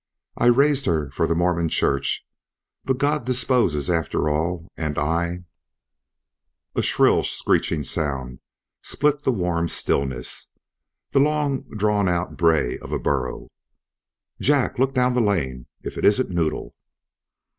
I raised her for the Mormon Church, but God disposes after all, and I " A shrill screeching sound split the warm stillness, the long drawn out bray of a burro. "Jack, look down the lane. If it isn't Noddle!"